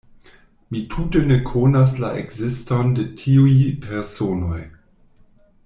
Mi tute ne konas la ekziston de tiuj personoj.